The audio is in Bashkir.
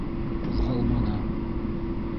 Ҡуҙғалманы.